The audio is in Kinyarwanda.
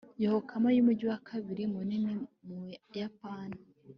yokohama n'umujyi wa kabiri munini mu buyapani